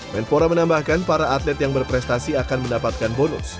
menpora menambahkan para atlet yang berprestasi akan mendapatkan bonus